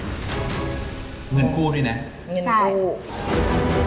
เงินกู้ด้วยนะใช่